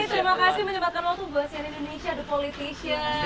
terima kasih menjembatkan waktu buat seri indonesia the politician